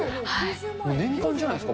念願じゃないですか。